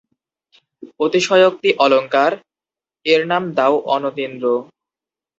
অতিশয়োক্তি অলংকার, এর নাম দাও অনতীন্দ্র।